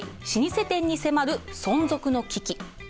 老舗店に迫る存続の危機。